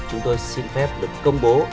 chúng tôi xin phép được công bố